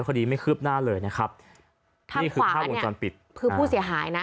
คดีไม่คืบหน้าเลยนะครับทางขวานี่คือผู้เสียหายนะ